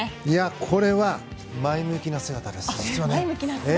これは、前向きな姿です。